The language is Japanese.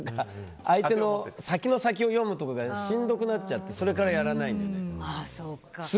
相手の先の先の読むことがしんどくなっちゃってそれからやらないです。